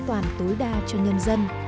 bảo đảm tối đa cho nhân dân